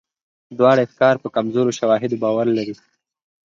دواړه افکار په کمزورو شواهدو باور لري.